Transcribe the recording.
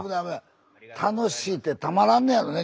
楽しいてたまらんのやろね